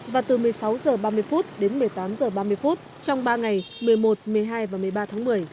và từ một mươi sáu giờ ba mươi phút đến một mươi tám giờ ba mươi phút trong ba ngày một mươi một một mươi hai và một mươi ba tháng một mươi